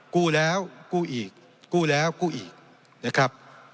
กู้แล้วกู้อีกกู้แล้วกู้อีกนะครับ